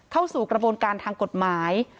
เข้าสู่กระบวนการทางกฎหมาย